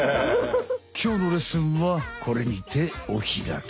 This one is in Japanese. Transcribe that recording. きょうのレッスンはこれにておひらき。